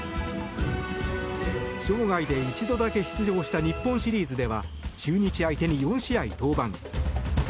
生涯で一度だけ出場した日本シリーズでは中日相手に４試合登板。